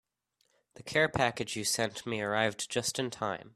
The care package you sent me arrived just in time.